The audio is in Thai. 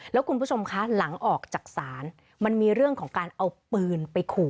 แล้วคุณผู้ชมคะหลังออกจากศาลมันมีเรื่องของการเอาปืนไปขู่